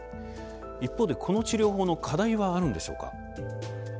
一方でこの治療法の課題はあるんでしょうか？